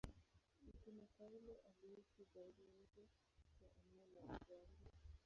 Mtume Paulo aliishi zaidi nje ya eneo la Israeli.